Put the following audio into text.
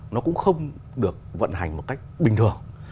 nó cũng không được vận hành một cách bình thường